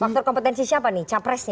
faktor kompetensi siapa nih capresnya